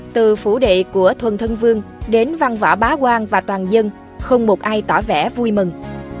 từ phủ đệ của thuần thân vương đến văn võ bá quang và toàn dân không một ai tỏ vẻ vui mừng